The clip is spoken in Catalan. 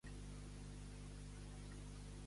Gràcies a qui és president Moreno?